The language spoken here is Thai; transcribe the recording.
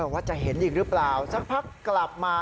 ว่าจะเห็นอีกหรือเปล่าสักพักกลับมา